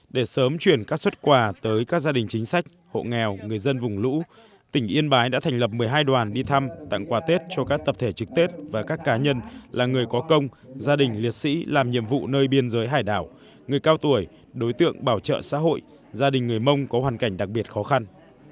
để sớm chuyển các xuất quà tới các gia đình chính sách hộ nghèo người dân vùng lũ tỉnh yên bái đã thành lập một mươi hai đoàn đi thăm tặng quà tết cho các tập thể trực tết và các cá nhân là người có công gia đình liệt sĩ làm nhiệm vụ nơi biên giới hải đảo người cao tuổi đối tượng bảo trợ xã hội gia đình người mông có hoàn cảnh đặc biệt khó khăn